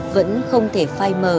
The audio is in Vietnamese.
vẫn không thể phai mờ